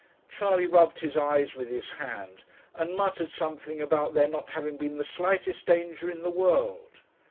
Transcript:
Charley rubbed his eyes with his hand, and muttered something about there not having been the slightest danger in the world.